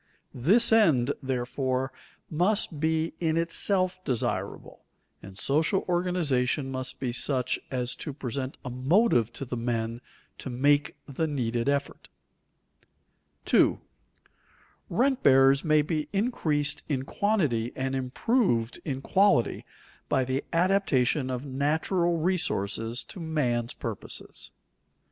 This end, therefore, must be in itself desirable, and social organization must be such as to present a motive to the men to make the needed effort. [Sidenote: Improvements by adaptation of natural resources] 2. _Rent bearers may be increased in quantity and improved in quality by the adaptation of natural resources to man's purposes.